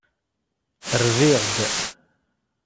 Rbiɣ-d.